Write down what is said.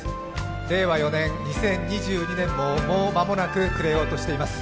令和４年、２０２２年ももうまもなく暮れようとしています。